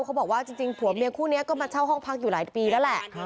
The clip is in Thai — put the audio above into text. เขาบอกว่าจริงผัวเมียคู่นี้ก็มาเช่าห้องพักอยู่หลายปีแล้วแหละ